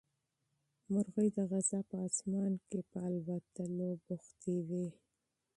مرغۍ د غزا په اسمان کې په الوتلو بوختې وې.